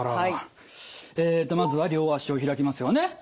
えっとまずは両足を開きますよね。